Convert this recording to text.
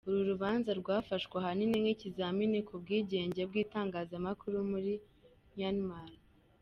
Uru rubanza rwafashwe ahanini nk'ikizamini ku bwigenge bw'itangazamakuru muri Myanmar.